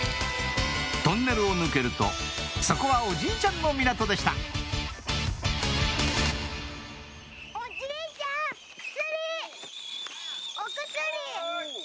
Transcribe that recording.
トンネルを抜けるとそこはおじいちゃんの港でしたおくすり！おくすり！